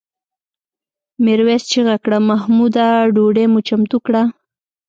میرويس چیغه کړه محموده ډوډۍ مو چمتو کړه؟